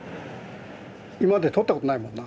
今まで撮ったことないもんな。